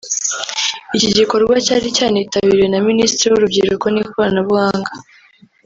Iki gikorwa cyari cyanitabiriwe na Minisitiri w’Urubyiruko n’Ikoranabuhanga